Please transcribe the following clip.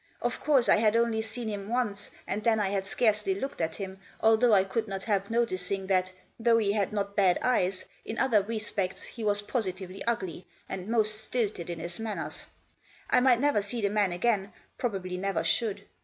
Of course I had only seen him once, and then I had scarcely looked at him, although I could not help noticing that, though he had not bad eyes, in other respects he was positively ugly, and most stilted in his manners. I might never see the man again, probably never should.